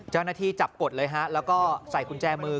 เจ้าหน้าที่จับกดเลยฮะแล้วก็ใส่คุณแจมือ